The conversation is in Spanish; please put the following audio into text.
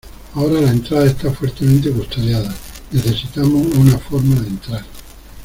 Ahora, la entrada está fuertemente custodiada. Necesitamos una forma de entrar .